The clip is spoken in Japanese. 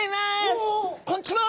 こんちは！